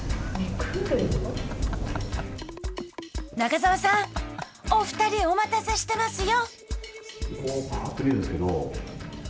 中澤さんお２人、お待たせしてますよ！